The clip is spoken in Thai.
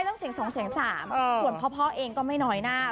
ใช่ส่วนพ่อเองก็ไม่น้อยหน้า